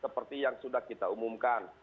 seperti yang sudah kita umumkan